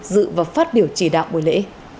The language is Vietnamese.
dự và phát biểu chỉ đạo buổi lễ